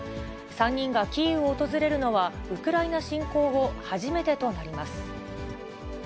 ３人がキーウを訪れるのは、ウクライナ侵攻後、初めてとなります。